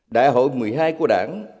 đại hội một mươi hai của đảng